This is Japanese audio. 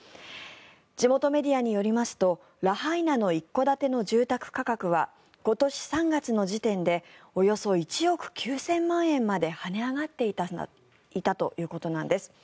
地元メディアによりますとラハイナの一戸建ての住宅価格は今年３月の時点でおよそ１億９０００万円まで跳ね上がっていたということなんです。